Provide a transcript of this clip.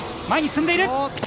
前に進んでいる。